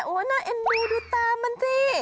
โหท่านหนุดูตามมันสิ